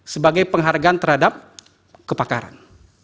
sebagai penghargaan terhadap kebakaran